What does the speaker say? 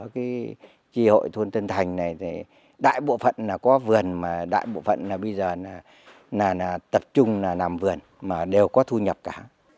cái tri hội thôn tân thành này thì đại bộ phận là có vườn mà đại bộ phận là bây giờ là tập trung là làm vườn mà đều có thu nhập cả